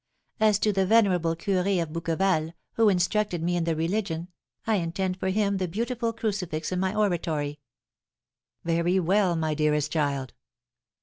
"As to the venerable curé of Bouqueval, who instructed me in religion, I intend for him the beautiful crucifix in my oratory." "Very well, my dearest child."